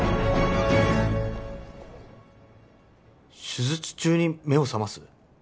手術中に目を覚ます？